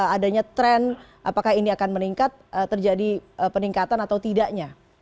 adanya tren apakah ini akan meningkat terjadi peningkatan atau tidaknya